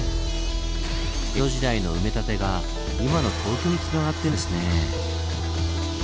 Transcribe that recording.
江戸時代の埋め立てが今の東京につながってるんですねぇ。